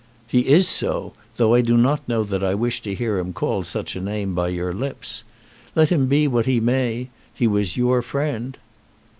"He is so; though I do not know that I wish to hear him called such a name by your lips. Let him be what he may he was your friend."